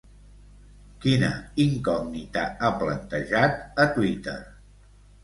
Quina incògnita ha plantejat a Twitter?